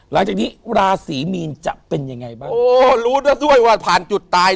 หลังจากนี้ราศีมีนจะเป็นยังไงบ้างโอ้รู้ด้วยว่าผ่านจุดตาย